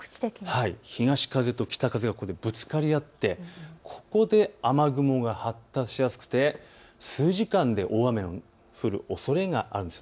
東風と北風がぶつかり合ってここで雨雲が発達しやすくて数時間で大雨が降るおそれがあります。